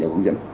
đều hướng dẫn